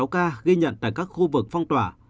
một trăm một mươi sáu ca ghi nhận tại các khu vực phong tỏa